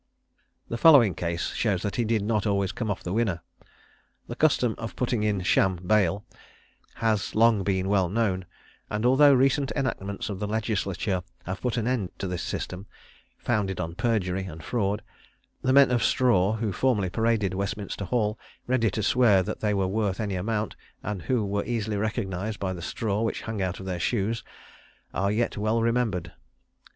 The following case shows that he did not always come off the winner: The custom of putting in sham bail has long been well known; and although recent enactments of the legislature have put an end to this system, founded on perjury and fraud, the "men of straw" who formerly paraded Westminster Hall, ready to swear that they were worth any amount, and who were easily recognised by the straw which hung out of their shoes, are yet well remembered.